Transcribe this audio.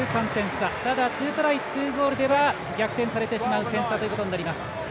ただ、２トライ、２ゴールでは逆転されてしまう点差ということになります。